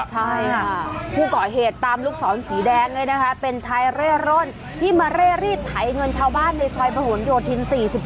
ใช่ค่ะผู้ก่อเหตุตามลูกศรสีแดงเลยนะคะเป็นชายเร่ร่อนที่มาเร่รีดไถเงินชาวบ้านในซอยประหลโยธิน๔๗